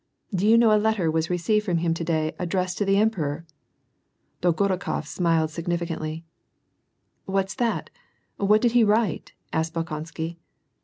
Did you know a letter vas received from him to day addressed to the emperor ?" Dolgorukof smiled significantly. " What's that ? What did he write ?" asked Bolkonsky.